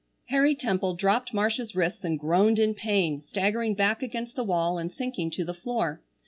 Harry Temple dropped Marcia's wrists and groaned in pain, staggering back against the wall and sinking to the floor.